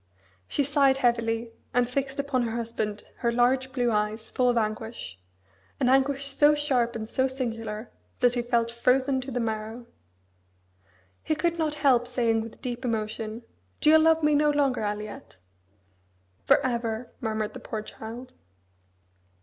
She sighed heavily, and fixed upon her husband her large blue eyes, full of anguish an anguish so sharp and so singular that he felt frozen to the marrow. He could not help saying with deep emotion, "Do you love me no longer, Aliette?" "For ever!" murmured the poor child.